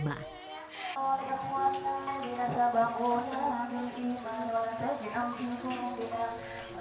orang kuatnya di asabangku nanti imam nanti amin